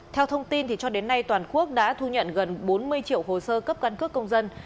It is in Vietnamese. theo thông tin cho đến nay toàn quốc đã thu nhận gần bốn mươi triệu hồ sơ cấp căn cước công dân